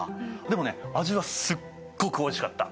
でもね味はすっごくおいしかった。